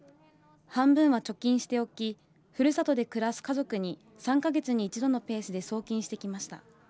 半分は貯金しておき、ふるさとで暮らす家族に３か月に１度のペースで送金してきました。